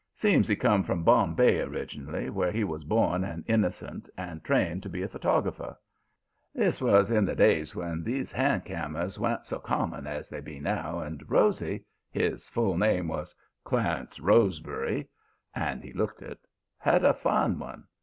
Seems he come from Bombay originally, where he was born an innocent and trained to be a photographer. This was in the days when these hand cameras wa'n't so common as they be now, and Rosy his full name was Clarence Rosebury, and he looked it had a fine one.